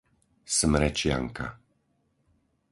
Smrečianka